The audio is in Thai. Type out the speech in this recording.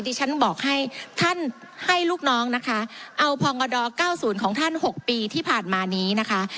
ดิฉันบอกให้ท่านให้ลูกน้องนะคะเอาภองกระดอกเก้าศูนย์ของท่านหกปีที่ผ่านมานี้นะคะ